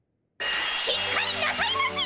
しっかりなさいませ！